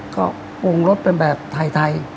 ก็ปรุงรสเป็นแบบไทย